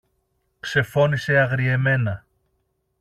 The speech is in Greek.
ξεφώνισε αγριεμένα